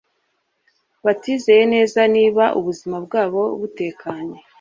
batizeye neza niba ubuzima bwabo butekanye